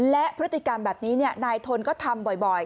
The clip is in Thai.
และพฤติกรรมแบบนี้เนี่ยนายทนก็ทำบ่อยบ่อย